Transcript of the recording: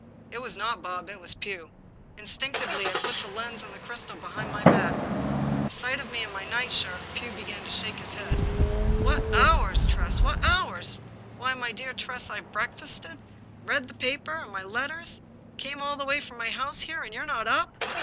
It was not Bob, it was Pugh. Instinctively I put the lens and the crystal behind my back. At sight of me in my nightshirt Pugh began to shake his head. " What hours, Tress, what hours ! Why, my dear Tress, I've breakfasted, read the papers and my letters, came all the way from my house here, and you're not up